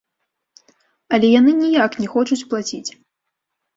Але яны ніяк не хочуць плаціць.